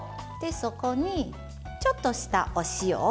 そこにちょっとしたお塩を。